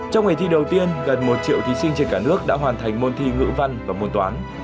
trong ngày thi đầu tiên gần một triệu thí sinh trên cả nước đã hoàn thành môn thi ngữ văn và môn toán